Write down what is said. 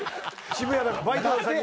渋谷だから。